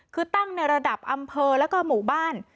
คือตั้งในระดับอำเภอแล้วก็หมู่บ้าน